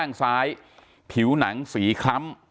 ข้างซ้ายผิวหนังสีคล้ำ